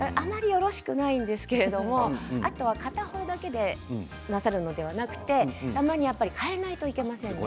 あまりよろしくないんですけど片方だけでなさるんではなくてたまに変えないといけないですね